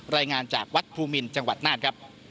รายงานจากวัดภูมินจังหวัดน่านครับ